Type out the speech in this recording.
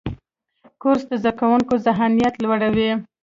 کورس د زده کوونکو ذهانت لوړوي.